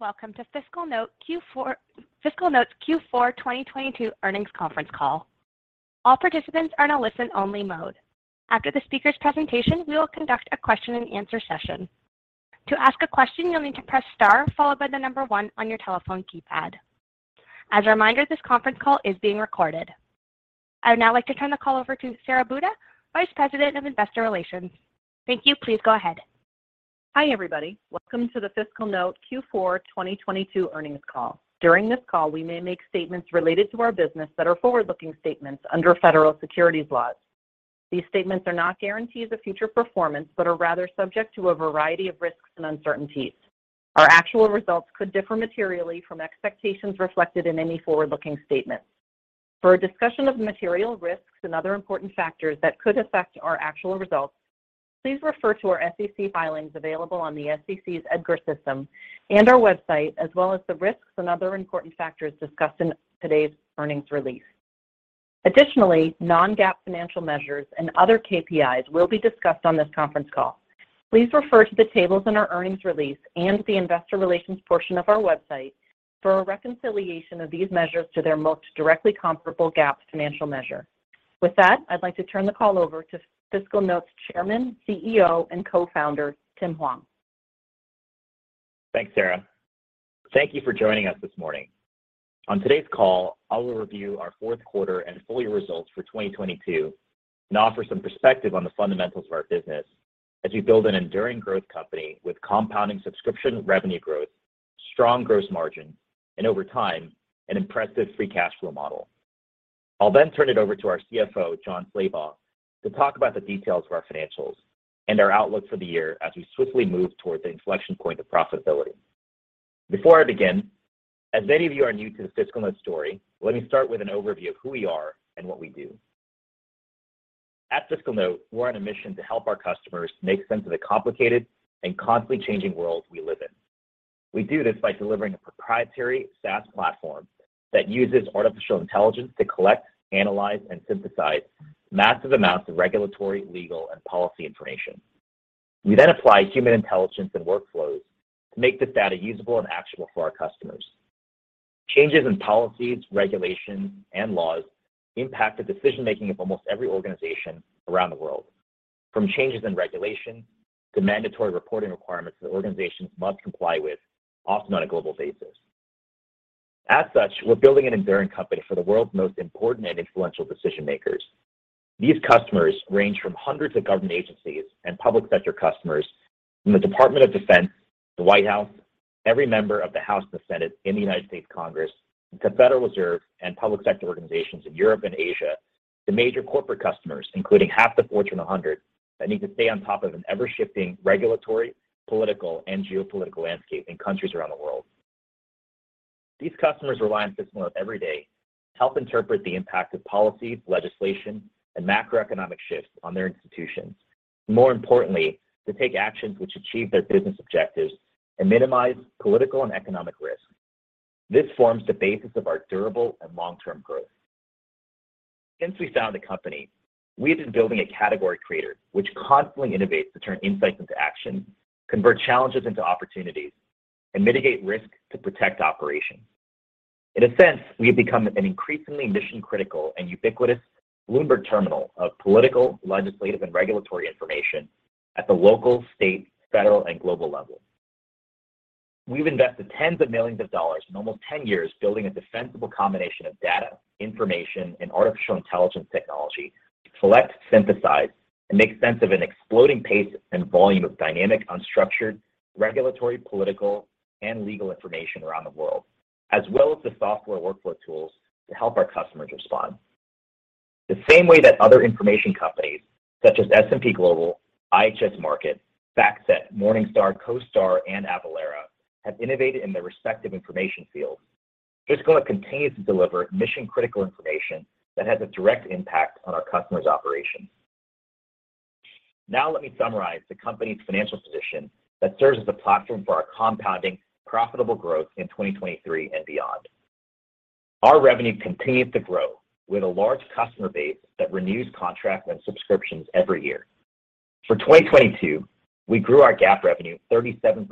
Welcome to FiscalNote's Q4 2022 Earnings Conference Call. All participants are in a listen-only mode. After the speaker's presentation, we will conduct a question and answer session. To ask a question, you'll need to press star followed by one on your telephone keypad. As a reminder, this conference call is being recorded. I would now like to turn the call over to Sara Buda, Vice President of Investor Relations. Thank you. Please go ahead. Hi, everybody. Welcome to the FiscalNote Q4 2022 earnings call. During this call, we may make statements related to our business that are forward-looking statements under federal securities laws. These statements are not guarantees of future performance, but are rather subject to a variety of risks and uncertainties. Our actual results could differ materially from expectations reflected in any forward-looking statements. For a discussion of material risks and other important factors that could affect our actual results, please refer to our SEC filings available on the SEC's EDGAR system and our website, as well as the risks and other important factors discussed in today's earnings release. Additionally, non-GAAP financial measures and other KPIs will be discussed on this conference call. Please refer to the tables in our earnings release and the investor relations portion of our website for a reconciliation of these measures to their most directly comparable GAAP financial measure. With that, I'd like to turn the call over to FiscalNote's Chairman, CEO, and Co-founder, Tim Hwang. Thanks, Sara. Thank you for joining us this morning. On today's call, I will review our fourth quarter and full year results for 2022 and offer some perspective on the fundamentals of our business as we build an enduring growth company with compounding subscription revenue growth, strong gross margin, and over time, an impressive free cash flow model. I'll then turn it over to our CFO, Jon Slabaugh, to talk about the details of our financials and our outlook for the year as we swiftly move toward the inflection point of profitability. Before I begin, as many of you are new to the FiscalNote story, let me start with an overview of who we are and what we do. At FiscalNote, we're on a mission to help our customers make sense of the complicated and constantly changing world we live in. We do this by delivering a proprietary SaaS platform that uses artificial intelligence to collect, analyze, and synthesize massive amounts of regulatory, legal, and policy information. We then apply human intelligence and workflows to make this data usable and actionable for our customers. Changes in policies, regulations, and laws impact the decision-making of almost every organization around the world, from changes in regulation to mandatory reporting requirements that organizations must comply with, often on a global basis. We're building an enduring company for the world's most important and influential decision-makers. These customers range from hundreds of government agencies and public sector customers from the Department of Defense, the White House, every member of the House and the Senate in the United States Congress, the Federal Reserve, and public sector organizations in Europe and Asia, to major corporate customers, including half the Fortune, that need to stay on top of an ever-shifting regulatory, political, and geopolitical landscape in countries around the world. These customers rely on FiscalNote every day to help interpret the impact of policies, legislation, and macroeconomic shifts on their institutions, and more importantly, to take actions which achieve their business objectives and minimize political and economic risk. This forms the basis of our durable and long-term growth. Since we founded the company, we have been building a category creator which constantly innovates to turn insights into action, convert challenges into opportunities, and mitigate risk to protect operations. In a sense, we have become an increasingly mission-critical and ubiquitous Bloomberg Terminal of political, legislative, and regulatory information at the local, state, federal, and global levels. We've invested tens of millions of dollars in almost 10 years building a defensible combination of data, information, and artificial intelligence technology to collect, synthesize, and make sense of an exploding pace and volume of dynamic, unstructured, regulatory, political, and legal information around the world, as well as the software workflow tools to help our customers respond. The same way that other information companies such as S&P Global, IHS Markit, FactSet, Morningstar, CoStar, and Avalara have innovated in their respective information fields, FiscalNote continues to deliver mission-critical information that has a direct impact on our customers' operations. Now let me summarize the company's financial position that serves as the platform for our compounding profitable growth in 2023 and beyond. Our revenue continues to grow with a large customer base that renews contracts and subscriptions every year. For 2022, we grew our GAAP revenue 37%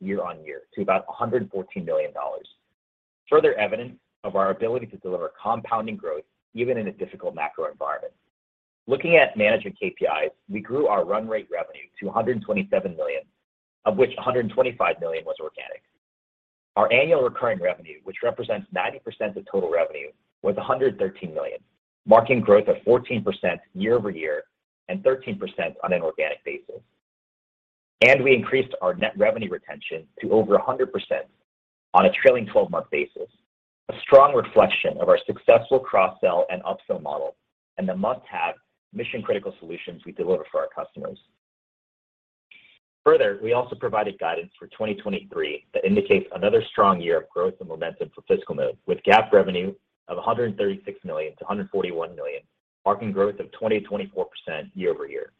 year-over-year to about $114 million, further evidence of our ability to deliver compounding growth even in a difficult macro environment. Looking at management KPIs, we grew our run rate revenue to $127 million, of which $125 million was organic. Our annual recurring revenue, which represents 90% of total revenue, was $113 million, marking growth of 14% year-over-year and 13% on an organic basis. We increased our net revenue retention to over 100% on a trailing twelve-month basis, a strong reflection of our successful cross-sell and upsell model and the must-have mission-critical solutions we deliver for our customers. We also provided guidance for 2023 that indicates another strong year of growth and momentum for FiscalNote, with GAAP revenue of $136 million to $141 million, marking growth of 20%-24% year-over-year.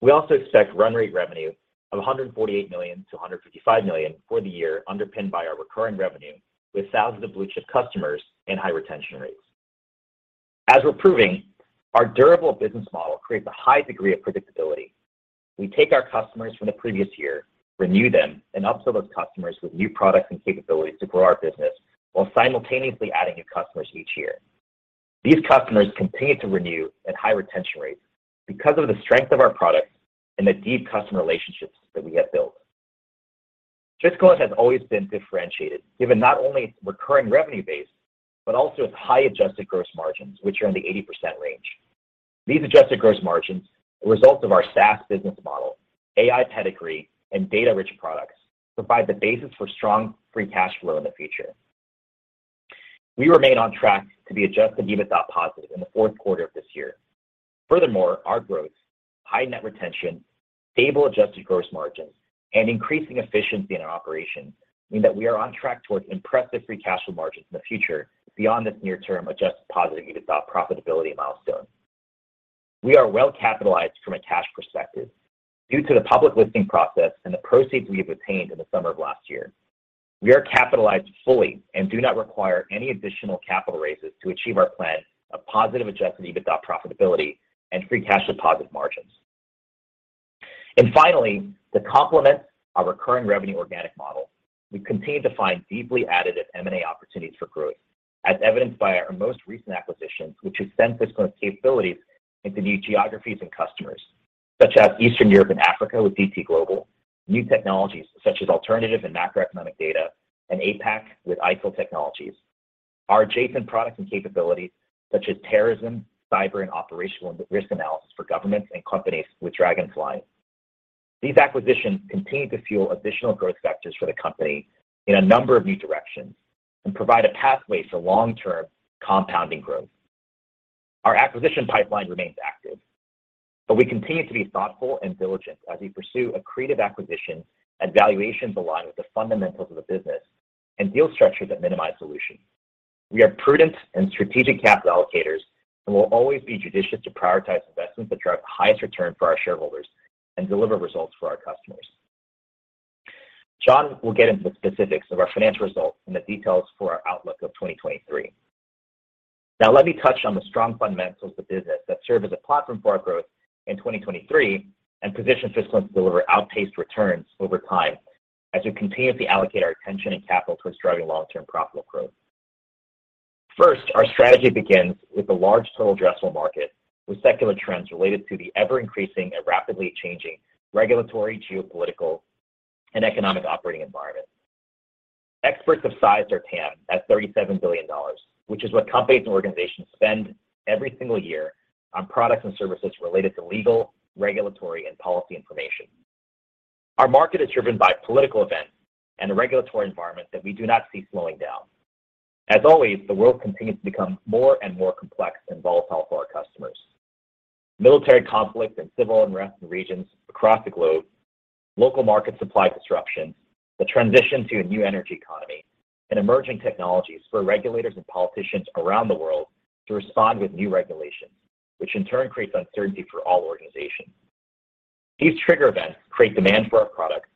We also expect run rate revenue of $148 million to $155 million for the year underpinned by our recurring revenue with thousands of blue-chip customers and high retention rates. We're proving, our durable business model creates a high degree of predictability. We take our customers from the previous year, renew them, and upsell those customers with new products and capabilities to grow our business while simultaneously adding new customers each year. These customers continue to renew at high retention rates because of the strength of our products and the deep customer relationships that we have built. Fisco has always been differentiated, given not only its recurring revenue base, but also its high adjusted gross margins, which are in the 80% range. These adjusted gross margins, the result of our SaaS business model, AI pedigree, and data-rich products, provide the basis for strong free cash flow in the future. Our growth, high net retention, stable adjusted gross margins, and increasing efficiency in our operations mean that we are on track towards impressive free cash flow margins in the future beyond this near term adjusted positive EBITDA profitability milestone. We are well-capitalized from a cash perspective due to the public listing process and the proceeds we have obtained in the summer of last year. We are capitalized fully and do not require any additional capital raises to achieve our plan of positive adjusted EBITDA profitability and free cash flow positive margins. Finally, to complement our recurring revenue organic model, we continue to find deeply additive M&A opportunities for growth, as evidenced by our most recent acquisitions, which extend Fisco's capabilities into new geographies and customers, such as Eastern Europe and Africa with DT Global, new technologies such as alternative and macroeconomic data, and APAC with Aicel Technologies. Our adjacent products and capabilities, such as terrorism, cyber, and operational risk analysis for governments and companies with Dragonfly. These acquisitions continue to fuel additional growth vectors for the company in a number of new directions and provide a pathway for long-term compounding growth. Our acquisition pipeline remains active, but we continue to be thoughtful and diligent as we pursue accretive acquisitions and valuations aligned with the fundamentals of the business and deal structures that minimize dilution. We are prudent and strategic capital allocators and will always be judicious to prioritize investments that drive the highest return for our shareholders and deliver results for our customers. Jon will get into the specifics of our financial results and the details for our outlook of 2023. Let me touch on the strong fundamentals of the business that serve as a platform for our growth in 2023 and position FiscalNote to deliver outpaced returns over time as we continuously allocate our attention and capital towards driving long-term profitable growth. Our strategy begins with the large total addressable market with secular trends related to the ever-increasing and rapidly changing regulatory, geopolitical, and economic operating environment. Experts have sized our TAM at $37 billion, which is what companies and organizations spend every single year on products and services related to legal, regulatory, and policy information. Our market is driven by political events and a regulatory environment that we do not see slowing down. The world continues to become more and more complex and volatile for our customers. Military conflict and civil unrest in regions across the globe, local market supply disruptions, the transition to a new energy economy, and emerging technologies for regulators and politicians around the world to respond with new regulations, which in turn creates uncertainty for all organizations. These trigger events create demand for our products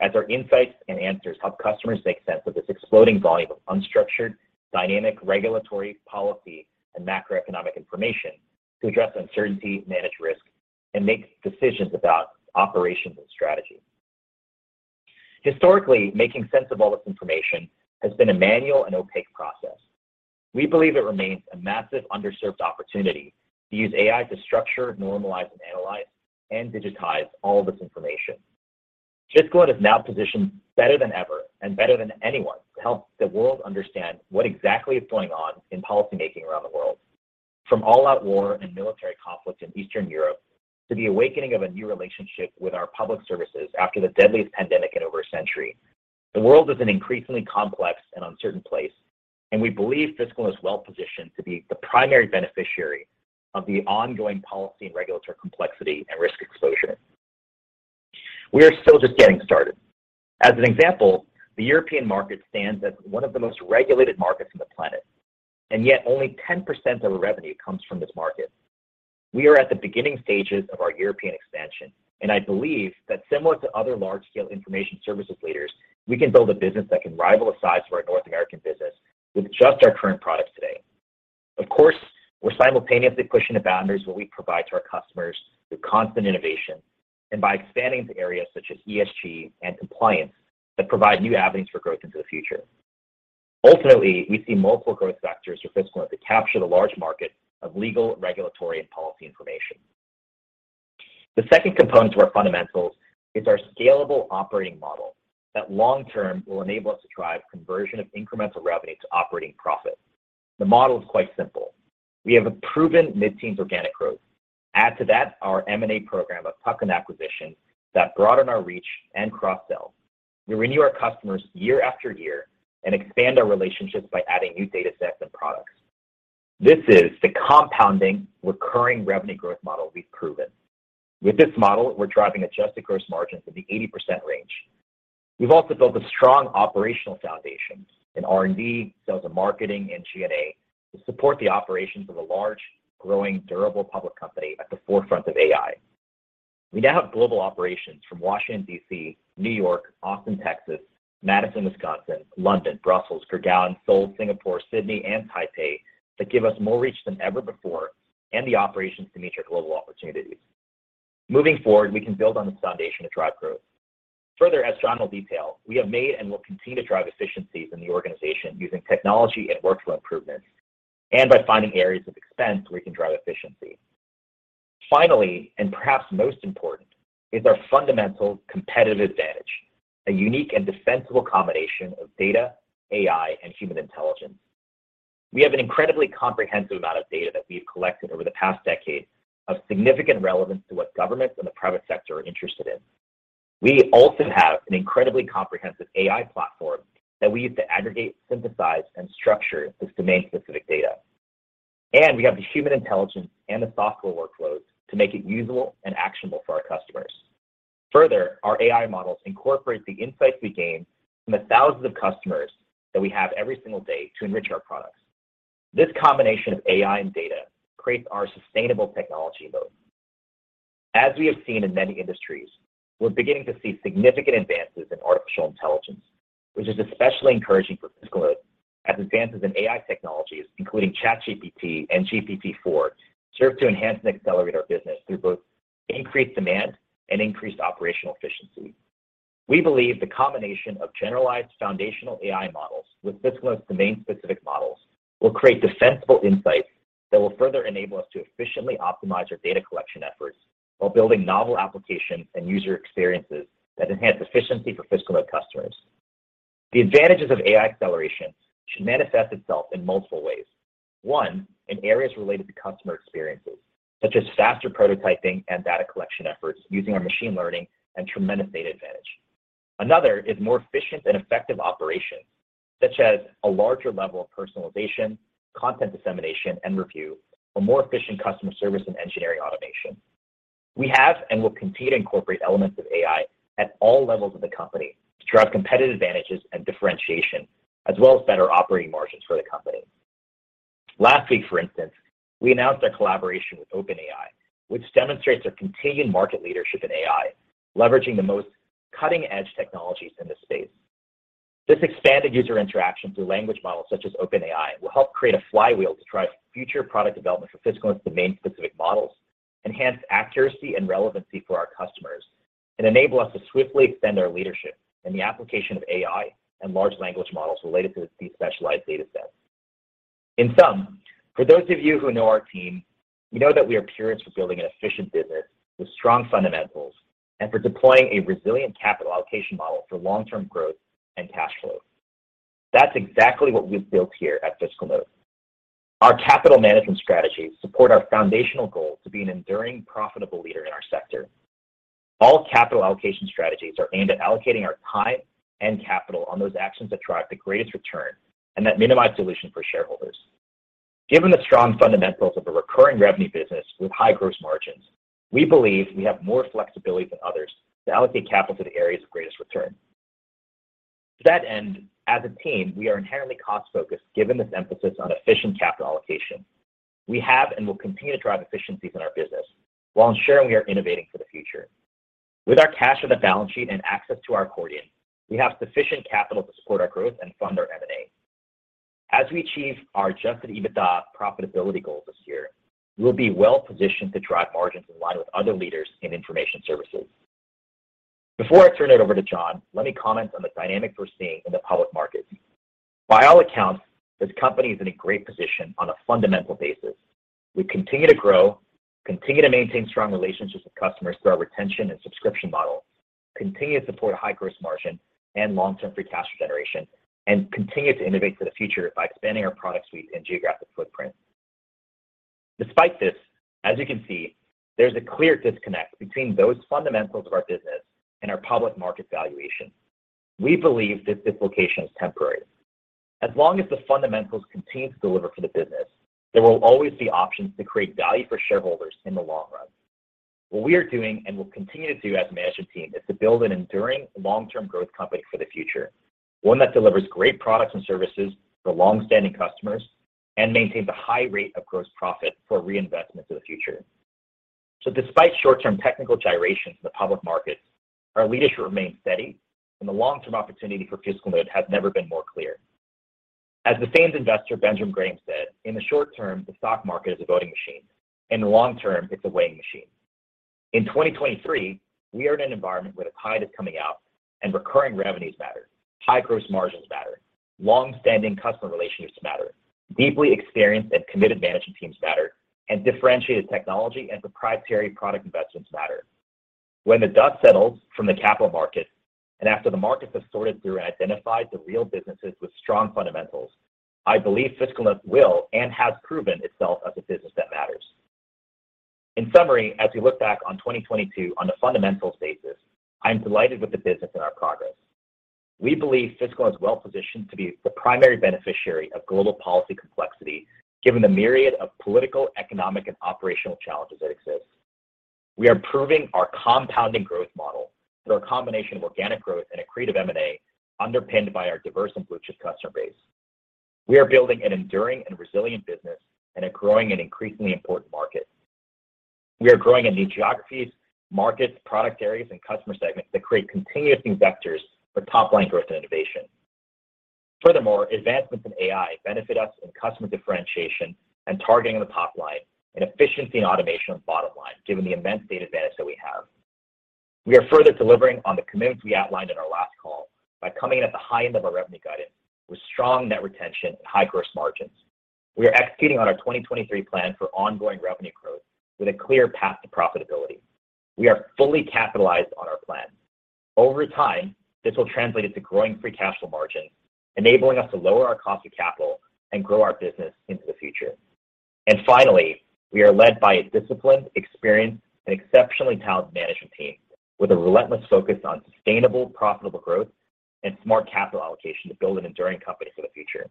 as our insights and answers help customers make sense of this exploding volume of unstructured, dynamic regulatory policy and macroeconomic information to address uncertainty, manage risk, and make decisions about operations and strategy. Historically, making sense of all this information has been a manual and opaque process. We believe it remains a massive underserved opportunity to use AI to structure, normalize, and analyze and digitize all this information. FiscalNote is now positioned better than ever and better than anyone to help the world understand what exactly is going on in policymaking around the world. From all-out war and military conflict in Eastern Europe to the awakening of a new relationship with our public services after the deadliest pandemic in over a century, the world is an increasingly complex and uncertain place, and we believe Fisco is well-positioned to be the primary beneficiary of the ongoing policy and regulatory complexity and risk exposure. We are still just getting started. As an example, the European market stands as one of the most regulated markets on the planet, and yet only 10% of our revenue comes from this market. We are at the beginning stages of our European expansion, and I believe that similar to other large-scale information services leaders, we can build a business that can rival the size of our North American business with just our current products today. Of course, we're simultaneously pushing the boundaries of what we provide to our customers through constant innovation and by expanding into areas such as ESG and compliance that provide new avenues for growth into the future. Ultimately, we see multiple growth vectors for Fisco to capture the large market of legal, regulatory, and policy information. The second component to our fundamentals is our scalable operating model that long term will enable us to drive conversion of incremental revenue to operating profit. The model is quite simple. We have a proven mid-teens organic growth. Add to that our M&A program of tuck-in acquisitions that broaden our reach and cross-sell. We renew our customers year after year and expand our relationships by adding new data sets and products. This is the compounding recurring revenue growth model we've proven. With this model, we're driving adjusted gross margins in the 80% range. We've also built a strong operational foundation in R&D, sales and marketing, and G&A to support the operations of a large, growing, durable public company at the forefront of AI. We now have global operations from Washington D.C., New York, Austin, Texas, Madison, Wisconsin, London, Brussels, Gurugram, Seoul, Singapore, Sydney, and Taipei that give us more reach than ever before and the operations to meet your global opportunities. Moving forward, we can build on this foundation to drive growth. Further, as Jon will detail, we have made and will continue to drive efficiencies in the organization using technology and workflow improvements, and by finding areas of expense where we can drive efficiency. Finally, and perhaps most important, is our fundamental competitive advantage, a unique and defensible combination of data, AI, and human intelligence. We have an incredibly comprehensive amount of data that we've collected over the past decade of significant relevance to what governments and the private sector are interested in. We also have an incredibly comprehensive AI platform that we use to aggregate, synthesize, and structure this domain-specific data. We have the human intelligence and the software workflows to make it usable and actionable for our customers. Further, our AI models incorporate the insights we gain from the thousands of customers that we have every single day to enrich our products. This combination of AI and data creates our sustainable technology mode. As we have seen in many industries, we're beginning to see significant advances in artificial intelligence, which is especially encouraging for FiscalNote as advances in AI technologies, including ChatGPT and GPT-4, serve to enhance and accelerate our business through both increased demand and increased operational efficiency. We believe the combination of generalized foundational AI models with FiscalNote's domain-specific models will create defensible insights that will further enable us to efficiently optimize our data collection efforts while building novel applications and user experiences that enhance efficiency for FiscalNote customers. The advantages of AI acceleration should manifest itself in multiple ways. One, in areas related to customer experiences, such as faster prototyping and data collection efforts using our machine learning and tremendous data advantage. Another is more efficient and effective operation, such as a larger level of personalization, content dissemination, and review, a more efficient customer service and engineering automation. We have and will continue to incorporate elements of AI at all levels of the company to drive competitive advantages and differentiation, as well as better operating margins for the company. Last week, for instance, we announced our collaboration with OpenAI, which demonstrates our continued market leadership in AI, leveraging the most cutting-edge technologies in this space. This expanded user interaction through language models such as OpenAI will help create a flywheel to drive future product development for FiscalNote's domain-specific models, enhance accuracy and relevancy for our customers, and enable us to swiftly extend our leadership in the application of AI and large language models related to these specialized datasets. In sum, for those of you who know our team, you know that we are peers for building an efficient business with strong fundamentals and for deploying a resilient capital allocation model for long-term growth and cash flow. That's exactly what we've built here at FiscalNote. Our capital management strategies support our foundational goal to be an enduring, profitable leader in our sector. All capital allocation strategies are aimed at allocating our time and capital on those actions that drive the greatest return and that minimize dilution for shareholders. Given the strong fundamentals of a recurring revenue business with high gross margins, we believe we have more flexibility than others to allocate capital to the areas of greatest return. To that end, as a team, we are inherently cost-focused, given this emphasis on efficient capital allocation. We have and will continue to drive efficiencies in our business while ensuring we are innovating for the future. With our cash on the balance sheet and access to our accordion, we have sufficient capital to support our growth and fund our M&A. As we achieve our adjusted EBITDA profitability goals this year, we'll be well-positioned to drive margins in line with other leaders in information services. Before I turn it over to Jon, let me comment on the dynamic we're seeing in the public markets. By all accounts, this company is in a great position on a fundamental basis. We continue to grow, continue to maintain strong relationships with customers through our retention and subscription model, continue to support a high gross margin and long-term free cash flow generation, and continue to innovate for the future by expanding our product suite and geographic footprint. Despite this, as you can see, there's a clear disconnect between those fundamentals of our business and our public market valuation. We believe this dislocation is temporary. As long as the fundamentals continue to deliver for the business, there will always be options to create value for shareholders in the long run. What we are doing and will continue to do as a management team is to build an enduring long-term growth company for the future, one that delivers great products and services for long-standing customers and maintains a high rate of gross profit for reinvestment to the future. Despite short-term technical gyrations in the public markets, our leadership remains steady and the long-term opportunity for FiscalNote has never been more clear. As the famed investor Benjamin Graham said, "In the short term, the stock market is a voting machine. In the long term, it's a weighing machine." In 2023, we are in an environment where the tide is coming out and recurring revenues matter, high gross margins matter, long-standing customer relationships matter, deeply experienced and committed management teams matter, and differentiated technology and proprietary product investments matter. When the dust settles from the capital markets and after the markets have sorted through and identified the real businesses with strong fundamentals, I believe FiscalNote will and has proven itself as a business that matters. In summary, as we look back on 2022 on a fundamentals basis, I am delighted with the business and our progress. We believe FiscalNote is well-positioned to be the primary beneficiary of global policy complexity given the myriad of political, economic, and operational challenges that exist. We are proving our compounding growth model through a combination of organic growth and accretive M&A underpinned by our diverse and blue-chip customer base. We are building an enduring and resilient business in a growing and increasingly important market. We are growing in new geographies, markets, product areas, and customer segments that create continuous vectors for top-line growth and innovation. Furthermore, advancements in AI benefit us in customer differentiation and targeting the top line and efficiency and automation of bottom line, given the immense data advantage that we have. We are further delivering on the commitments we outlined in our last call by coming in at the high end of our revenue guidance with strong net retention and high gross margins. We are executing on our 2023 plan for ongoing revenue growth with a clear path to profitability. We are fully capitalized on our plan. Over time, this will translate into growing free cash flow margins, enabling us to lower our cost of capital and grow our business into the future. Finally, we are led by a disciplined, experienced, and exceptionally talented management team with a relentless focus on sustainable, profitable growth and smart capital allocation to build an enduring company for the future.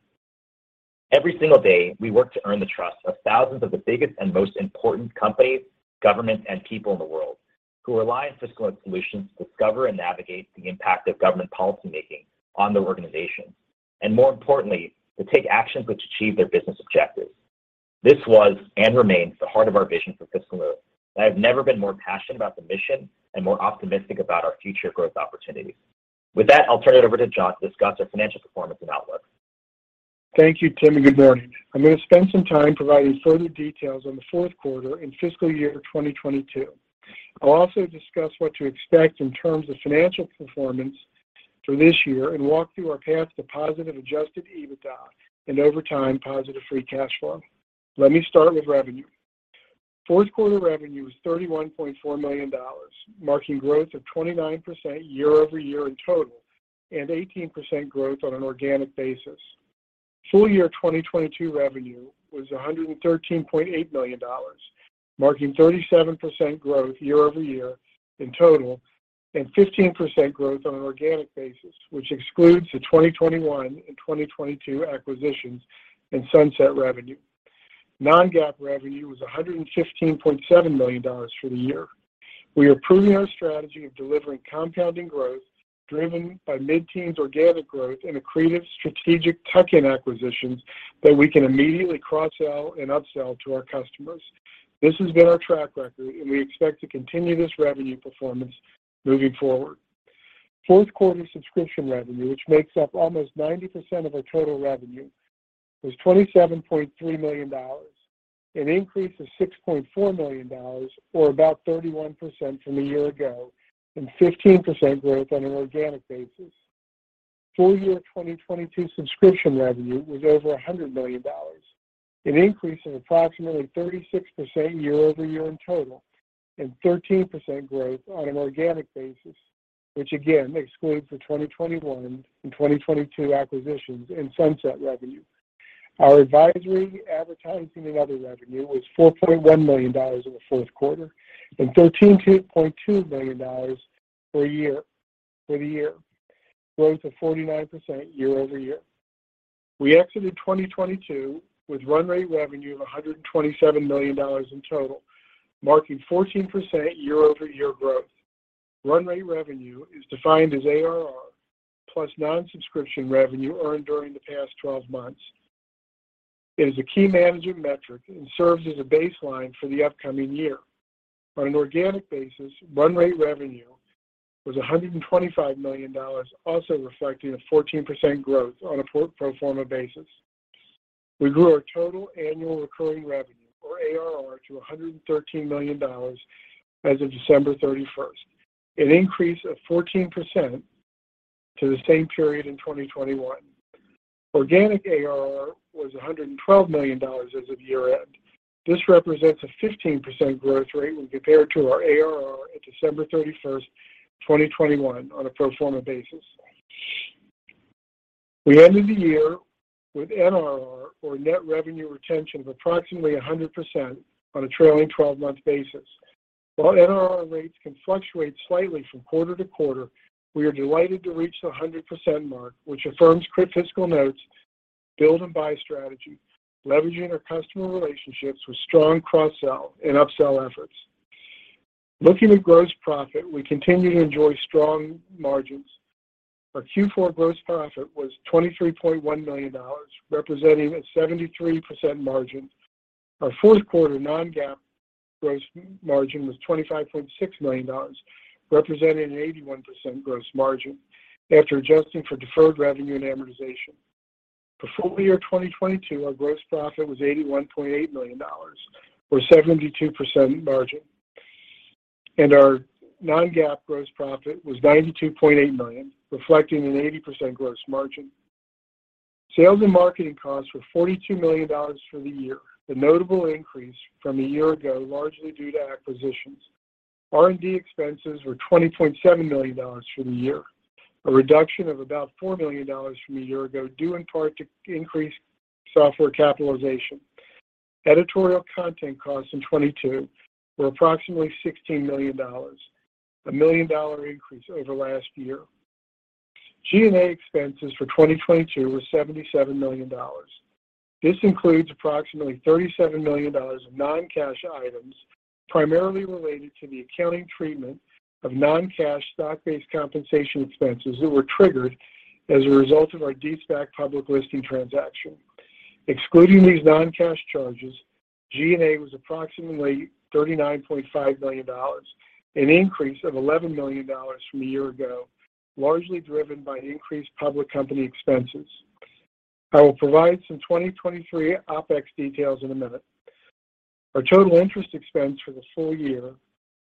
Every single day, we work to earn the trust of thousands of the biggest and most important companies, governments, and people in the world who rely on FiscalNote solutions to discover and navigate the impact of government policymaking on their organizations, and more importantly, to take actions which achieve their business objectives. This was, and remains, the heart of our vision for FiscalNote. I have never been more passionate about the mission and more optimistic about our future growth opportunities. With that, I'll turn it over to Jon to discuss our financial performance and outlook. Thank you, Tim. Good morning. I'm going to spend some time providing further details on the fourth quarter and fiscal year 2022. I'll also discuss what to expect in terms of financial performance for this year and walk through our path to positive adjusted EBITDA and, over time, positive free cash flow. Let me start with revenue. Fourth quarter revenue was $31.4 million, marking growth of 29% year-over-year in total and 18% growth on an organic basis. Full year 2022 revenue was $113.8 million, marking 37% growth year-over-year in total and 15% growth on an organic basis, which excludes the 2021 and 2022 acquisitions and sunset revenue. Non-GAAP revenue was $115.7 million for the year. We are proving our strategy of delivering compounding growth driven by mid-teens organic growth and accretive strategic tuck-in acquisitions that we can immediately cross-sell and upsell to our customers. This has been our track record. We expect to continue this revenue performance moving forward. Fourth quarter subscription revenue, which makes up almost 90% of our total revenue, was $27.3 million, an increase of $6.4 million or about 31% from a year ago and 15% growth on an organic basis. Full year 2022 subscription revenue was over $100 million, an increase of approximately 36% year-over-year in total and 13% growth on an organic basis, which again excludes the 2021 and 2022 acquisitions and sunset revenue. Our advisory, advertising, and other revenue was $4.1 million in the fourth quarter and $13.2 million for the year, growth of 49% year-over-year. We exited 2022 with run rate revenue of $127 million in total, marking 14% year-over-year growth. Run rate revenue is defined as ARR plus non-subscription revenue earned during the past 12 months. It is a key management metric and serves as a baseline for the upcoming year. On an organic basis, run rate revenue was $125 million, also reflecting a 14% growth on a pro forma basis. We grew our total annual recurring revenue or ARR to $113 million as of December 31st, an increase of 14% to the same period in 2021. Organic ARR was $112 million as of year-end. This represents a 15% growth rate when compared to our ARR at December 31st, 2021 on a pro forma basis. We ended the year with NRR or net revenue retention of approximately 100% on a trailing twelve-month basis. While NRR rates can fluctuate slightly from quarter to quarter, we are delighted to reach the 100% mark, which affirms FiscalNote's build and buy strategy, leveraging our customer relationships with strong cross-sell and upsell efforts. Looking at gross profit, we continue to enjoy strong margins. Our Q4 gross profit was $23.1 million, representing a 73% margin. Our fourth quarter non-GAAP gross margin was $25.6 million, representing an 81% gross margin after adjusting for deferred revenue and amortization. For full year 2022, our gross profit was $81.8 million or 72% margin, and our non-GAAP gross profit was $92.8 million, reflecting an 80% gross margin. Sales and marketing costs were $42 million for the year, a notable increase from a year ago, largely due to acquisitions. R&D expenses were $20.7 million for the year, a reduction of about $4 million from a year ago, due in part to increased software capitalization. Editorial content costs in 2022 were approximately $16 million, a million-dollar increase over last year. G&A expenses for 2022 were $77 million. This includes approximately $37 million of non-cash items, primarily related to the accounting treatment of non-cash stock-based compensation expenses that were triggered as a result of our de-SPAC public listing transaction. Excluding these non-cash charges, G&A was approximately $39.5 million, an increase of $11 million from a year ago, largely driven by increased public company expenses. I will provide some 2023 OpEx details in a minute. Our total interest expense for the full year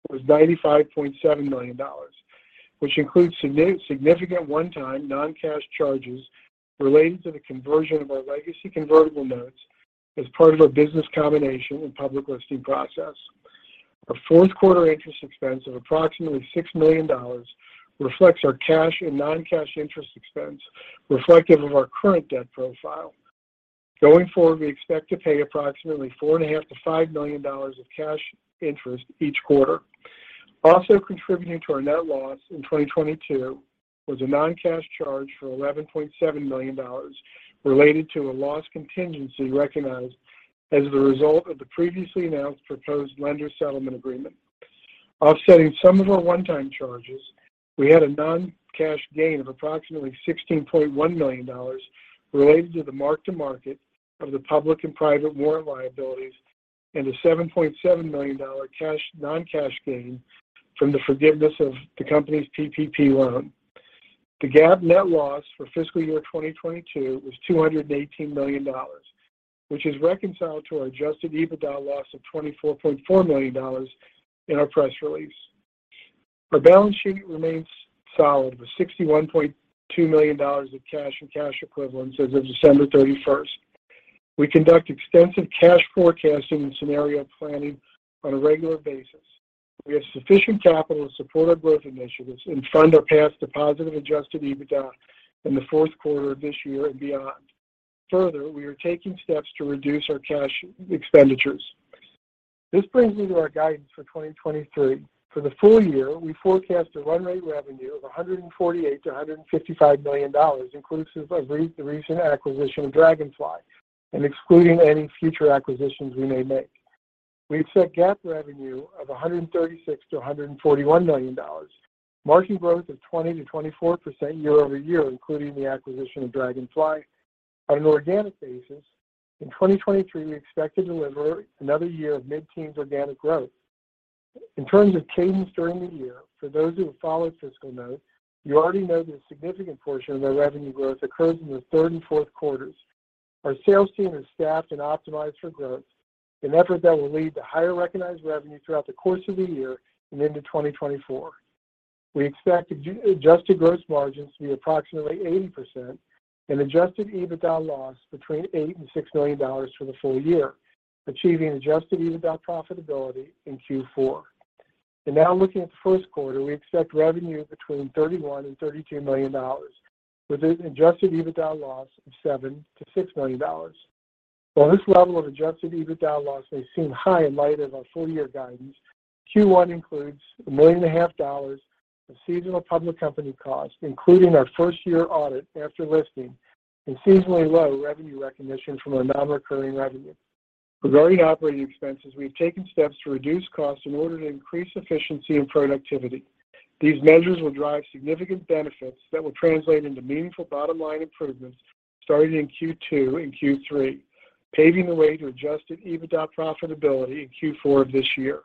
was $95.7 million, which includes significant one-time non-cash charges related to the conversion of our legacy convertible notes as part of our business combination and public listing process. Our fourth quarter interest expense of approximately $6 million reflects our cash and non-cash interest expense reflective of our current debt profile. Going forward, we expect to pay approximately $4.5 million to $5 million of cash interest each quarter. Also contributing to our net loss in 2022 was a non-cash charge for $11.7 million related to a loss contingency recognized as the result of the previously announced proposed lender settlement agreement. Offsetting some of our one-time charges, we had a non-cash gain of approximately $16.1 million related to the mark-to-market of the public and private warrant liabilities and a $7.7 million non-cash gain from the forgiveness of the company's PPP loan. The GAAP net loss for fiscal year 2022 was $218 million, which is reconciled to our adjusted EBITDA loss of $24.4 million in our press release. Our balance sheet remains solid with $61.2 million of cash and cash equivalents as of December 31st. We conduct extensive cash forecasting and scenario planning on a regular basis. We have sufficient capital to support our growth initiatives and fund our path to positive adjusted EBITDA in the fourth quarter of this year and beyond. Further, we are taking steps to reduce our cash expenditures. This brings me to our guidance for 2023. For the full year, we forecast a run rate revenue of $148 million-$155 million, inclusive of the recent acquisition of Dragonfly and excluding any future acquisitions we may make. We expect GAAP revenue of $136 million-$141 million, margin growth of 20%-24% year-over-year, including the acquisition of Dragonfly. On an organic basis, in 2023, we expect to deliver another year of mid-teens organic growth. In terms of cadence during the year, for those who have followed FiscalNote, you already know that a significant portion of our revenue growth occurs in the third and fourth quarters. Our sales team is staffed and optimized for growth, an effort that will lead to higher recognized revenue throughout the course of the year and into 2024. We expect adjusted gross margins to be approximately 80% and adjusted EBITDA loss between $8 million and $6 million for the full year, achieving adjusted EBITDA profitability in Q4. Now looking at the first quarter, we expect revenue between $31 million and $32 million with an adjusted EBITDA loss of $7 million-$6 million. While this level of adjusted EBITDA loss may seem high in light of our full year guidance, Q1 includes a million and a half dollars of seasonal public company costs, including our first-year audit after listing and seasonally low revenue recognition from our non-recurring revenue. Regarding operating expenses, we've taken steps to reduce costs in order to increase efficiency and productivity. These measures will drive significant benefits that will translate into meaningful bottom-line improvements starting in Q2 and Q3, paving the way to adjusted EBITDA profitability in Q4 of this year.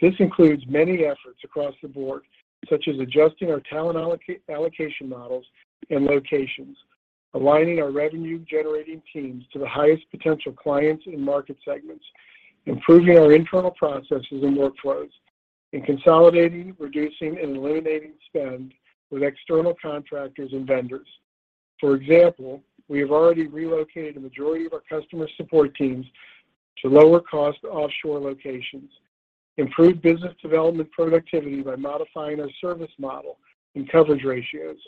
This includes many efforts across the board, such as adjusting our talent allocation models and locations, aligning our revenue-generating teams to the highest potential clients and market segments, improving our internal processes and workflows, and consolidating, reducing, and eliminating spend with external contractors and vendors. For example, we have already relocated a majority of our customer support teams to lower-cost offshore locations, improved business development productivity by modifying our service model and coverage ratios,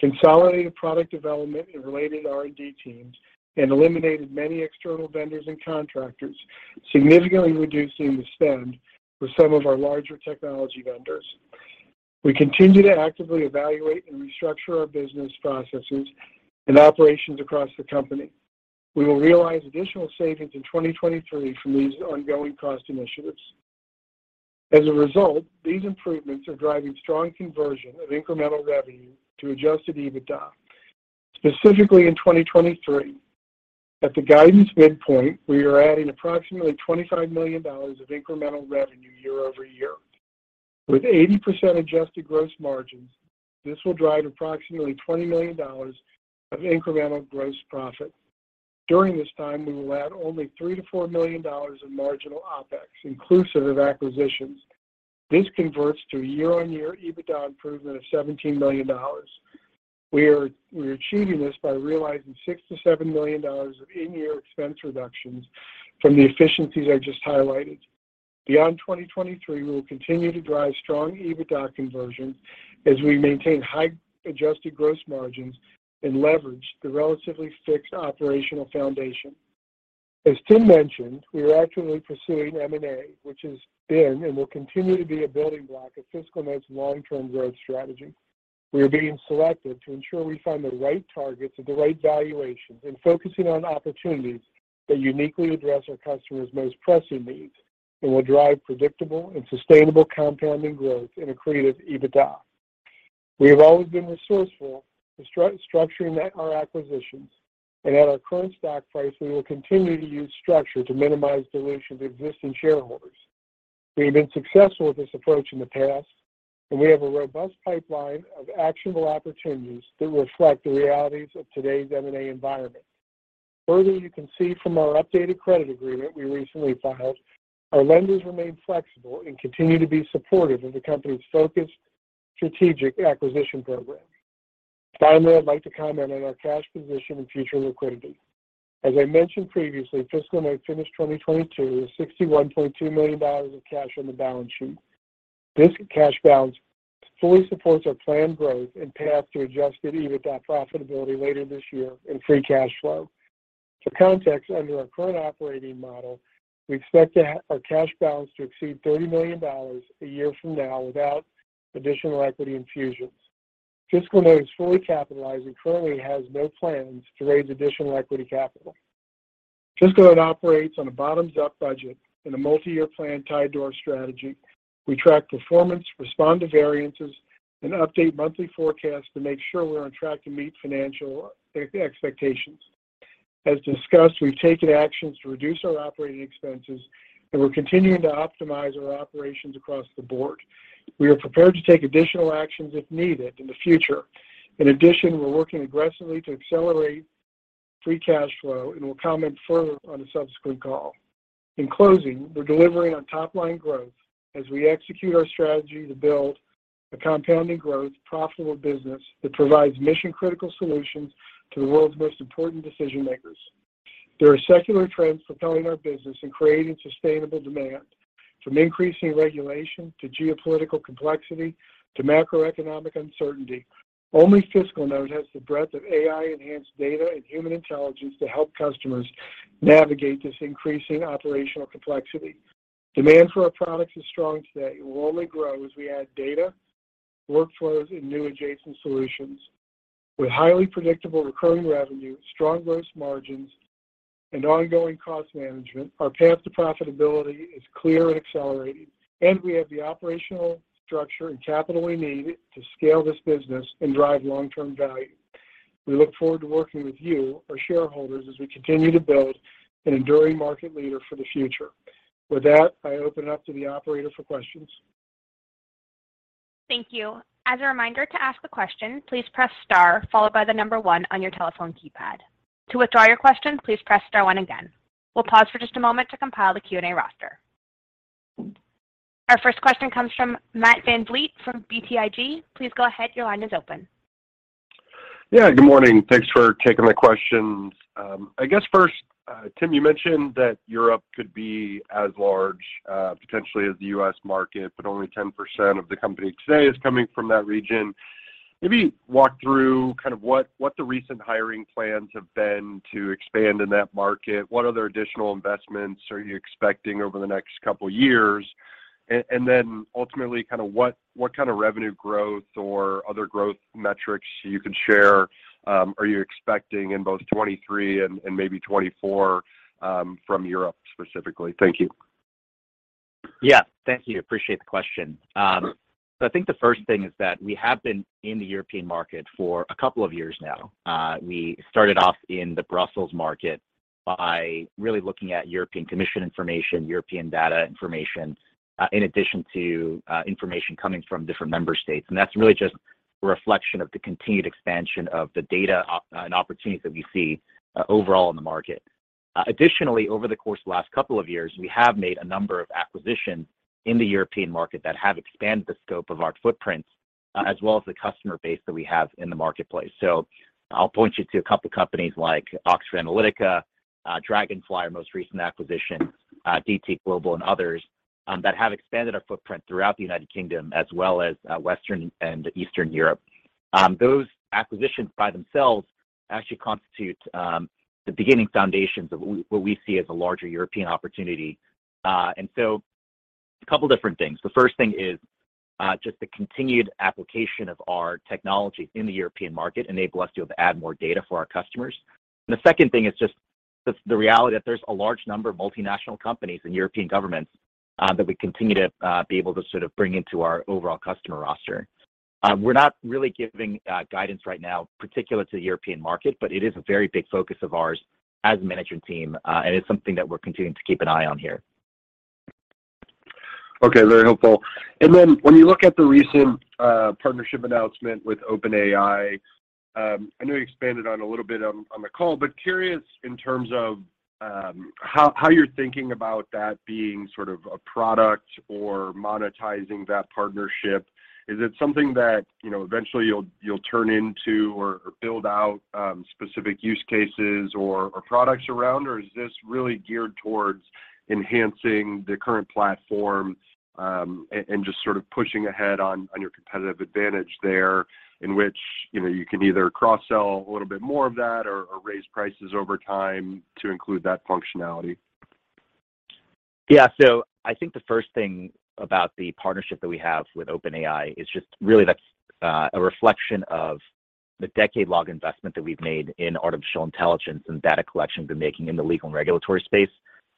consolidated product development and related R&D teams, and eliminated many external vendors and contractors, significantly reducing the spend with some of our larger technology vendors. We continue to actively evaluate and restructure our business processes and operations across the company. We will realize additional savings in 2023 from these ongoing cost initiatives. As a result, these improvements are driving strong conversion of incremental revenue to adjusted EBITDA. Specifically in 2023, at the guidance midpoint, we are adding approximately $25 million of incremental revenue year-over-year. With 80% adjusted gross margins, this will drive approximately $20 million of incremental gross profit. During this time, we will add only $3 million-$4 million of marginal OpEx, inclusive of acquisitions. This converts to a year-on-year EBITDA improvement of $17 million. We're achieving this by realizing $6 million-$7 million of in-year expense reductions from the efficiencies I just highlighted. Beyond 2023, we will continue to drive strong EBITDA conversion as we maintain high adjusted gross margins and leverage the relatively fixed operational foundation. As Tim mentioned, we are actively pursuing M&A, which has been and will continue to be a building block of FiscalNote's long-term growth strategy. We are being selective to ensure we find the right targets at the right valuations and focusing on opportunities that uniquely address our customers' most pressing needs and will drive predictable and sustainable compounding growth in accretive EBITDA. We have always been resourceful in structuring our acquisitions. At our current stock price, we will continue to use structure to minimize dilution to existing shareholders. We have been successful with this approach in the past. We have a robust pipeline of actionable opportunities that reflect the realities of today's M&A environment. You can see from our updated credit agreement we recently filed, our lenders remain flexible and continue to be supportive of the company's focused strategic acquisition program. I'd like to comment on our cash position and future liquidity. As I mentioned previously, FiscalNote finished 2022 with $61.2 million of cash on the balance sheet. This cash balance fully supports our planned growth and path to adjusted EBITDA profitability later this year and free cash flow. For context, under our current operating model, we expect to have our cash balance to exceed $30 million a year from now without additional equity infusions. FiscalNote is fully capitalized and currently has no plans to raise additional equity capital. FiscalNote operates on a bottoms-up budget and a multi-year plan tied to our strategy. We track performance, respond to variances, and update monthly forecasts to make sure we're on track to meet financial expectations. As discussed, we've taken actions to reduce our operating expenses, and we're continuing to optimize our operations across the board. We are prepared to take additional actions if needed in the future. In addition, we're working aggressively to accelerate free cash flow, and we'll comment further on a subsequent call. In closing, we're delivering on top-line growth as we execute our strategy to build a compounding growth, profitable business that provides mission-critical solutions to the world's most important decision-makers. There are secular trends propelling our business and creating sustainable demand, from increasing regulation to geopolitical complexity to macroeconomic uncertainty. Only FiscalNote has the breadth of AI-enhanced data and human intelligence to help customers navigate this increasing operational complexity. Demand for our products is strong today. It will only grow as we add data, workflows, and new adjacent solutions. With highly predictable recurring revenue, strong gross margins, and ongoing cost management, our path to profitability is clear and accelerating, and we have the operational structure and capital we need to scale this business and drive long-term value. We look forward to working with you, our shareholders, as we continue to build an enduring market leader for the future. With that, I open it up to the operator for questions. Thank you. As a reminder to ask a question, please press star followed by the number one on your telephone keypad. To withdraw your question, please press star one again. We'll pause for just a moment to compile the Q&A roster. Our first question comes from Matt VanVliet from BTIG. Please go ahead. Your line is open. Good morning. Thanks for taking my questions. I guess first, Tim, you mentioned that Europe could be as large, potentially as the U.S. market, but only 10% of the company today is coming from that region. Maybe walk through kind of what the recent hiring plans have been to expand in that market. What other additional investments are you expecting over the next couple years? Ultimately, kinda what kinda revenue growth or other growth metrics you can share, are you expecting in both 2023 and maybe 2024 from Europe specifically? Thank you. Yeah. Thank you. Appreciate the question. I think the first thing is that we have been in the European market for a couple of years now. We started off in the Brussels market by really looking at European Commission information, European data information, in addition to information coming from different member states, and that's really just a reflection of the continued expansion of the data and opportunities that we see overall in the market. Additionally, over the course of the last couple of years, we have made a number of acquisitions in the European market that have expanded the scope of our footprints, as well as the customer base that we have in the marketplace. I'll point you to a couple companies like Oxford Analytica, Dragonfly, our most recent acquisition, DT Global and others, that have expanded our footprint throughout the United Kingdom as well as Western and Eastern Europe. Those acquisitions by themselves actually constitute the beginning foundations of what we see as a larger European opportunity. A couple different things. The first thing is just the continued application of our technology in the European market enabling us to be able to add more data for our customers. The second thing is just the reality that there's a large number of multinational companies and European governments that we continue to be able to sort of bring into our overall customer roster. We're not really giving guidance right now particular to the European market, but it is a very big focus of ours as a management team, and it's something that we're continuing to keep an eye on here. Okay. Very helpful. When you look at the recent partnership announcement with OpenAI, I know you expanded on it a little bit on the call, but curious in terms of how you're thinking about that being sort of a product or monetizing that partnership. Is it something that, you know, eventually you'll turn into or build out specific use cases or products around? Or is this really geared towards enhancing the current platform and just sort of pushing ahead on your competitive advantage there, in which, you know, you can either cross-sell a little bit more of that or raise prices over time to include that functionality? I think the first thing about the partnership that we have with OpenAI is just really that's a reflection of the decade-long investment that we've made in artificial intelligence and data collection we're making in the legal and regulatory space.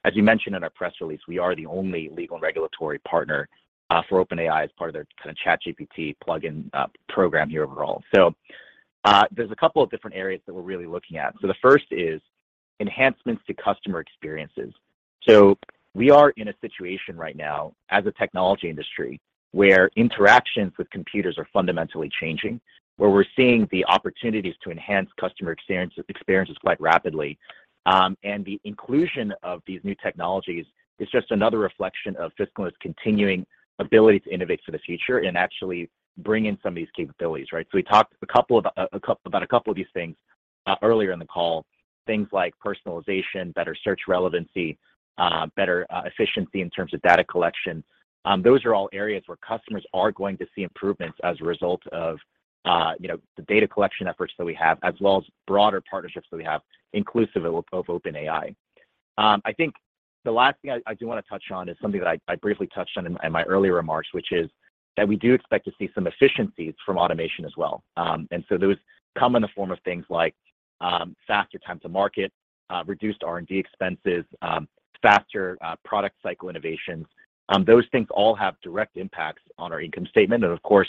As you mentioned in our press release, we are the only legal and regulatory partner for OpenAI as part of their kind of ChatGPT plugin program here overall. There's a couple of different areas that we're really looking at. The first is enhancements to customer experiences. We are in a situation right now as a technology industry where interactions with computers are fundamentally changing, where we're seeing the opportunities to enhance customer experiences quite rapidly. The inclusion of these new technologies is just another reflection of FiscalNote's continuing ability to innovate for the future and actually bring in some of these capabilities, right? We talked about a couple of these things earlier in the call, things like personalization, better search relevancy, better efficiency in terms of data collection. Those are all areas where customers are going to see improvements as a result of, you know, the data collection efforts that we have, as well as broader partnerships that we have inclusive of OpenAI. I think the last thing I do wanna touch on is something that I briefly touched on in my earlier remarks, which is that we do expect to see some efficiencies from automation as well. Those come in the form of things like faster time to market, reduced R&D expenses, faster product cycle innovations. Those things all have direct impacts on our income statement. Of course,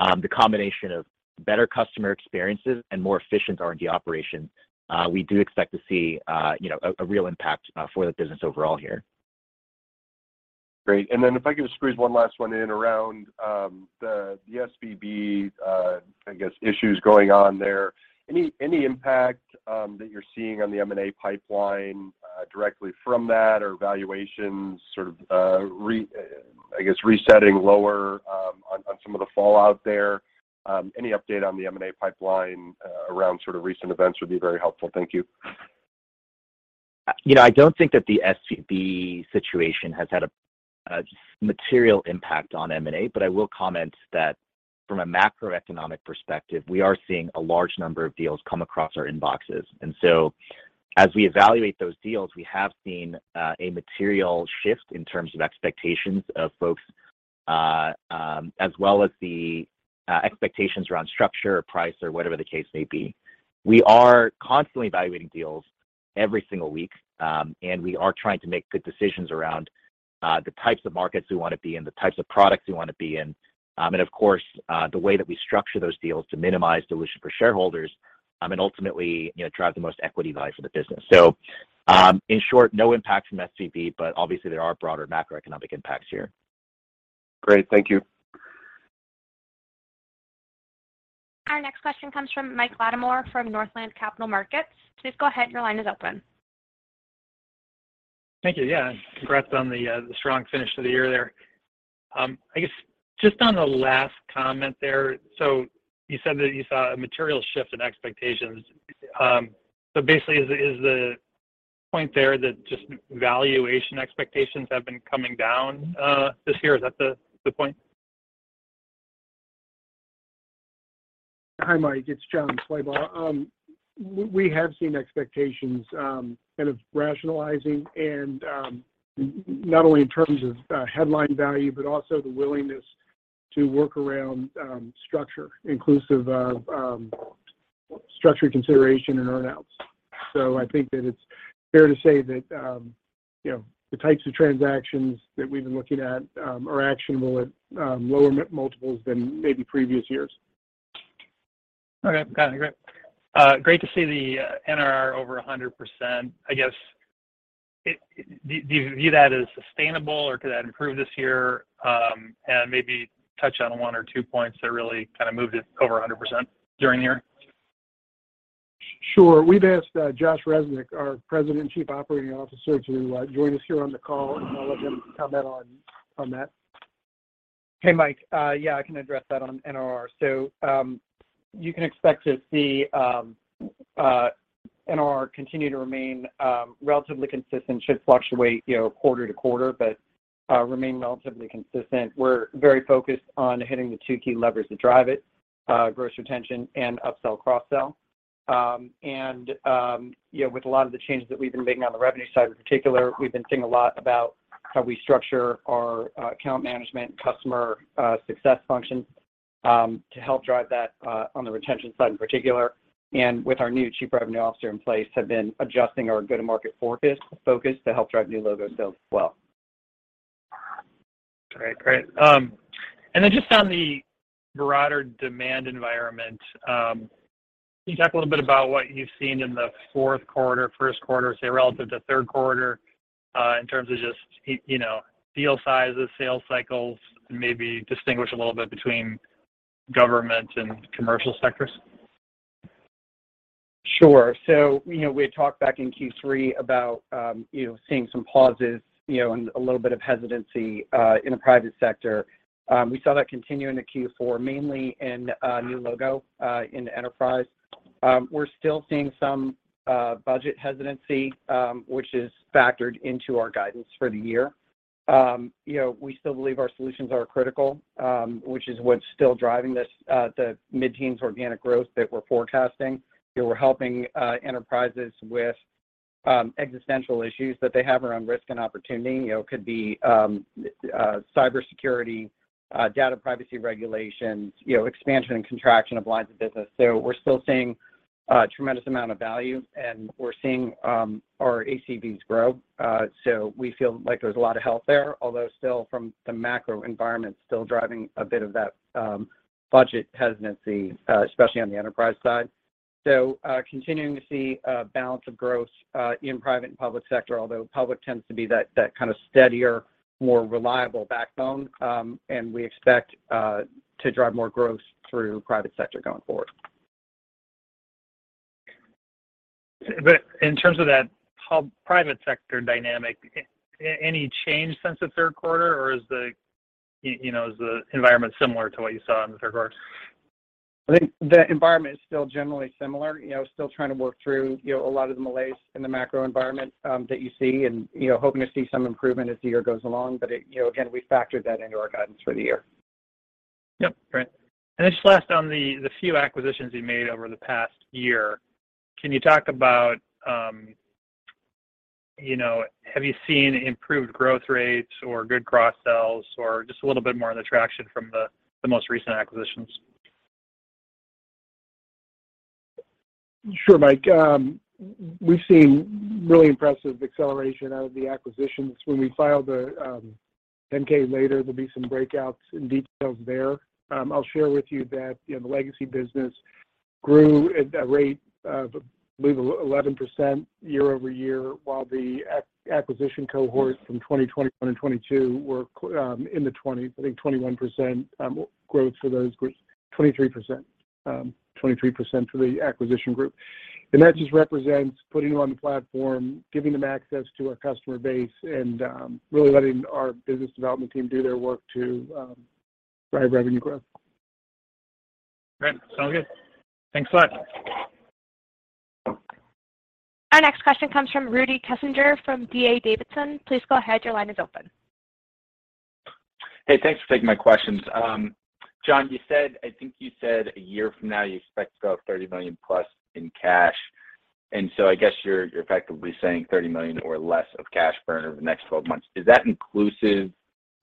the combination of better customer experiences and more efficient R&D operations, we do expect to see, you know, a real impact for the business overall here. Great. If I could squeeze one last one in around the SVB, I guess, issues going on there. Any impact that you're seeing on the M&A pipeline directly from that or valuations sort of, I guess, resetting lower on some of the fallout there? Any update on the M&A pipeline around sort of recent events would be very helpful. Thank you. You know, I don't think that the SVB situation has had a material impact on M&A. I will comment that from a macroeconomic perspective, we are seeing a large number of deals come across our inboxes. As we evaluate those deals, we have seen a material shift in terms of expectations of folks, as well as the expectations around structure or price or whatever the case may be. We are constantly evaluating deals every single week. We are trying to make good decisions around the types of markets we wanna be in, the types of products we wanna be in, and of course, the way that we structure those deals to minimize dilution for shareholders, and ultimately, you know, drive the most equity value for the business. In short, no impact from SVB, but obviously there are broader macroeconomic impacts here. Great. Thank you. Our next question comes from Mike Latimore from Northland Capital Markets. Please go ahead. Your line is open. Thank you. Yeah. Congrats on the strong finish to the year there. I guess just on the last comment there, you said that you saw a material shift in expectations. Basically is the point there that just valuation expectations have been coming down this year? Is that the point? Hi, Mike. It's Jon Slabaugh. We have seen expectations kind of rationalizing and not only in terms of headline value, but also the willingness to work around structure, inclusive of structure consideration and earn-outs. I think that it's fair to say that, you know, the types of transactions that we've been looking at are actionable at lower multiples than maybe previous years. Okay. Got it. Great. Great to see the NRR over 100%. I guess, do you view that as sustainable, or could that improve this year? Maybe touch on one or two points that really kind of moved it over 100% during the year. Sure. We've asked, Josh Resnik, our President and Chief Operating Officer, to join us here on the call, and I'll let him comment on that. Hey, Mike. Yeah, I can address that on NRR. You can expect to see NRR continue to remain relatively consistent. Should fluctuate, you know, quarter to quarter, but remain relatively consistent. We're very focused on hitting the two key levers that drive it, gross retention and upsell, cross-sell. You know, with a lot of the changes that we've been making on the revenue side in particular, we've been thinking a lot about how we structure our account management, customer success functions, to help drive that on the retention side in particular. With our new chief revenue officer in place, have been adjusting our go-to-market focus to help drive new logo sales as well. Great. Great. Just on the broader demand environment, can you talk a little bit about what you've seen in the fourth quarter, first quarter, say, relative to third quarter, in terms of just, you know, deal sizes, sales cycles, and maybe distinguish a little bit between government and commercial sectors? Sure. you know, we had talked back in Q3 about, you know, seeing some pauses, you know, and a little bit of hesitancy in the private sector. We saw that continue into Q4, mainly in new logo into enterprise. We're still seeing some budget hesitancy, which is factored into our guidance for the year. You know, we still believe our solutions are critical, which is what's still driving this, the mid-teens organic growth that we're forecasting. You know, we're helping enterprises with existential issues that they have around risk and opportunity. You know, could be cybersecurity, data privacy regulations, you know, expansion and contraction of lines of business. We're still seeing a tremendous amount of value, and we're seeing our ACVs grow. We feel like there's a lot of health there, although still from the macro environment still driving a bit of that budget hesitancy, especially on the enterprise side. Continuing to see a balance of growth in private and public sector, although public tends to be that kind of steadier, more reliable backbone. We expect to drive more growth through private sector going forward. In terms of that private sector dynamic, any change since the third quarter, or is the, you know, is the environment similar to what you saw in the third quarter? I think the environment is still generally similar. You know, still trying to work through, you know, a lot of the malaise in the macro environment that you see, and, you know, hoping to see some improvement as the year goes along. You know, again, we factored that into our guidance for the year. Yep. Great. Then just last on the few acquisitions you made over the past year, can you talk about, you know, have you seen improved growth rates or good cross-sells or just a little bit more on the traction from the most recent acquisitions? Sure, Mike. We've seen really impressive acceleration out of the acquisitions. When we file the 10-K later, there'll be some breakouts and details there. I'll share with you that, you know, the legacy business grew at a rate of, I believe, 11% year-over-year, while the acquisition cohorts from 2021 and 2022 were in the 20s. I think 21% growth for those groups. 23%. 23% for the acquisition group. That just represents putting them on the platform, giving them access to our customer base and really letting our business development team do their work to drive revenue growth. Great. Sound good. Thanks a lot. Our next question comes from Rudy Kessinger from D.A. Davidson. Please go ahead. Your line is open. Hey, thanks for taking my questions. Jon, I think you said a year from now you expect to go $30 million plus in cash. I guess you're effectively saying $30 million or less of cash burn over the next 12 months. Is that inclusive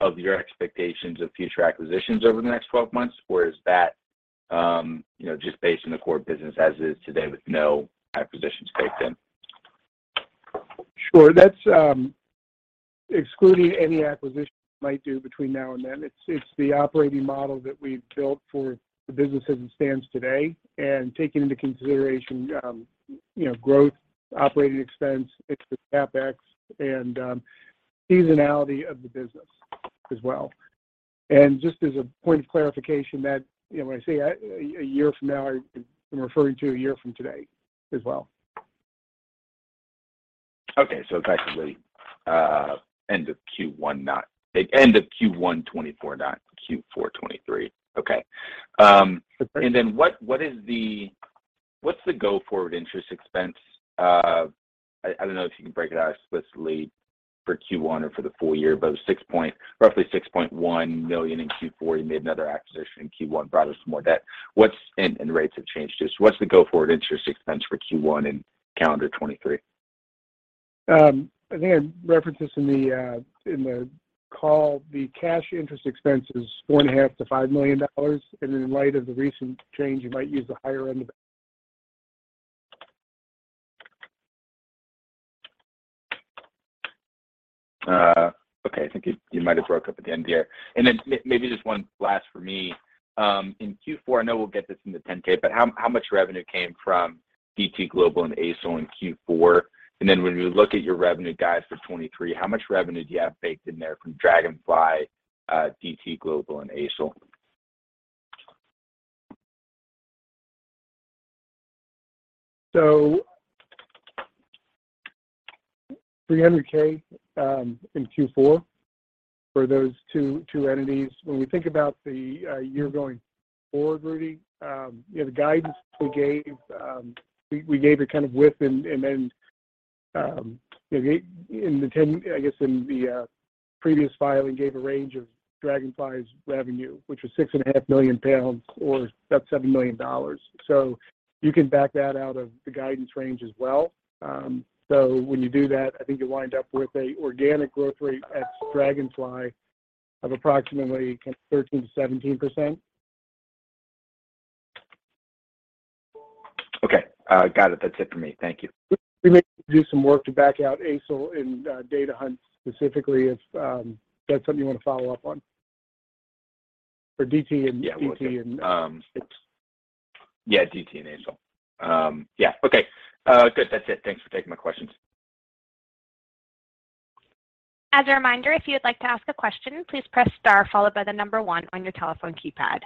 of your expectations of future acquisitions over the next 12 months, or is that, you know, just based on the core business as is today with no acquisitions baked in? Sure. That's excluding any acquisitions we might do between now and then. It's, it's the operating model that we've built for the business as it stands today, and taking into consideration, you know, growth, operating expense, fixed CapEx, and seasonality of the business as well. Just as a point of clarification that, you know, when I say a year from now, I'm referring to a year from today as well. Okay. Effectively, end of Q1, not End of Q1 2024, not Q4 2023. Okay. What's the go-forward interest expense of I don't know if you can break it out explicitly for Q1 or for the full year, but roughly $6.1 million in Q4. You made another acquisition in Q1, brought on some more debt. Rates have changed too. What's the go-forward interest expense for Q1 in calendar 2023? I think I referenced this in the call. The cash interest expense is $4.5 million-$5 million. In light of the recent change, you might use the higher end of it. Okay. I think you might have broke up at the end there. Maybe just one last for me. In Q4, I know we'll get this in the 10K, but how much revenue came from DT Global and ASL in Q4? When you look at your revenue guides for 2023, how much revenue do you have baked in there from Dragonfly, DT Global and ASL? 300K in Q4 for those two entities. When we think about the year going forward, Rudy, you know, the guidance we gave, we gave a kind of width and then in the previous filing gave a range of Dragonfly's revenue, which was 6.5 million pounds, or about $7 million. You can back that out of the guidance range as well. When you do that, I think you wind up with a organic growth rate at Dragonfly of approximately 13%-17%. Okay. got it. That's it for me. Thank you. We may do some work to back out ASL and Data Hunt specifically if that's something you want to follow up on. For DT and. Yeah, we're good. Yeah, DT and ASL. Yeah. Okay. Good. That's it. Thanks for taking my questions. As a reminder, if you would like to ask a question, please press star followed by the one on your telephone keypad.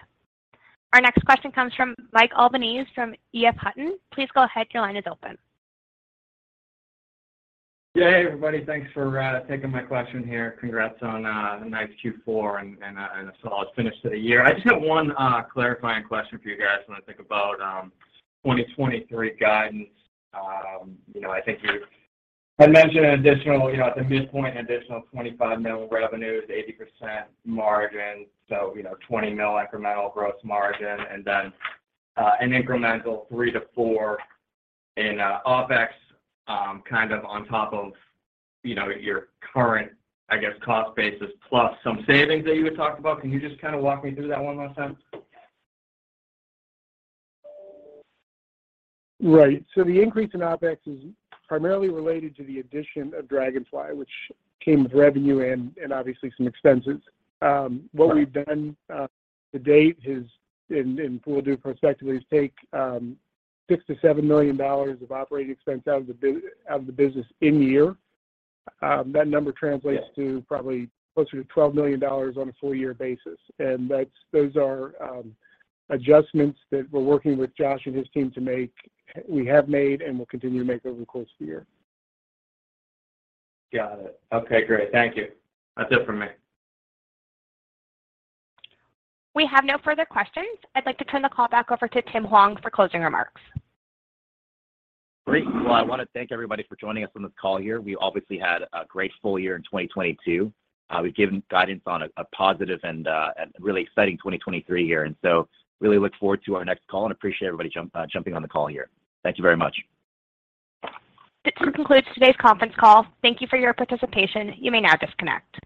Our next question comes from Michael Albanese from EF Hutton. Please go ahead, your line is open. Hey, everybody. Thanks for taking my question here. Congrats on a nice Q4 and a solid finish to the year. I just got one clarifying question for you guys when I think about 2023 guidance. You know, I think you had mentioned an additional, you know, at the midpoint, an additional $25 million revenue is 80% margin, so, you know, $20 million incremental gross margin and then an incremental $3 million-$4 million in OpEx, kind of on top of, you know, your current, I guess, cost basis plus some savings that you had talked about. Can you just kind of walk me through that one more time? Right. The increase in OpEx is primarily related to the addition of Dragonfly, which came with revenue and obviously some expenses. What we've done to date is, and fore do prospectively is take $6 million-$7 million of operating expense out of the business in year. That number translates to probably closer to $12 million on a full year basis. Those are adjustments that we're working with Josh and his team to make, we have made and will continue to make over the course of the year. Got it. Okay, great. Thank you. That's it for me. We have no further questions. I'd like to turn the call back over to Tim Hwang for closing remarks. Great. Well, I wanna thank everybody for joining us on this call here. We obviously had a great full year in 2022. We've given guidance on a positive and a really exciting 2023 here, and so really look forward to our next call and appreciate everybody jumping on the call here. Thank you very much. This concludes today's conference call. Thank you for your participation. You may now disconnect.